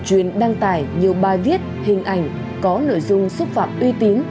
truyền đăng tải nhiều bài viết hình ảnh có nội dung xúc phạm uy tín